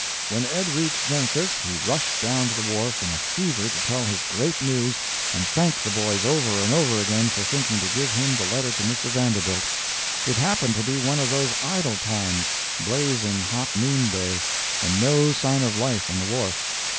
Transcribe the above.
When Ed reached Memphis he rushed down to the wharf in a fever to tell his great news and thank the boys over and over again for thinking to give him the letter to Mr. Vanderbilt. It happened to be one of those idle times. Blazing hot noonday, and no sign of life on the wharf.